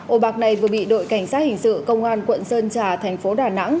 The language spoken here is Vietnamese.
ổ bạc này vừa bị đội cảnh sát hình sự công an quận sơn trà thành phố đà nẵng